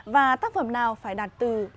và tác phẩm nào phải đạt từ